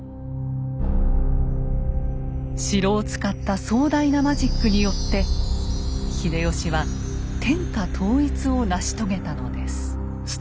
城を使った壮大なマジックによって秀吉は天下統一を成し遂げたのです。